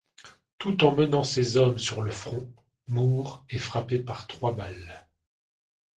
Tout en menant ses hommes sur le front, Moore est frappé par trois balles.